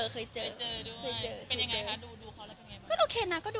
เป็นยังไงคะดูเขาแล้วเป็นยังไงบ้าง